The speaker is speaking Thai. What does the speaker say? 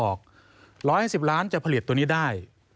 ออกว่า๑๐๕ล้านจะผลิตตัวนี้ได้